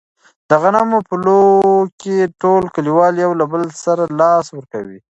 د غنمو په لو کې ټول کلیوال یو له بل سره لاس ورکوي.